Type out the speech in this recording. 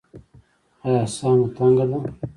ایا ساه مو تنګه ده؟